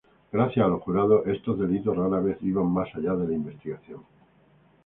Gracias a los jurados, estos delitos rara vez iban más allá de la investigación.